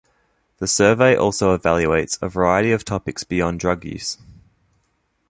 The survey also evaluates a variety of topics beyond drug use.